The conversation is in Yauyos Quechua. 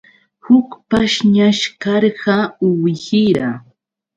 Huk pashñash karqa uwihira.